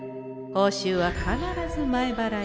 報酬は必ず前払いで。